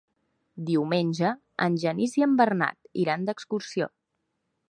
Diumenge en Genís i en Bernat iran d'excursió.